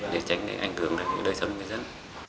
để tránh ảnh hưởng đến đời sân người dân